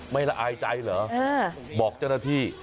ละอายใจเหรอบอกเจ้าหน้าที่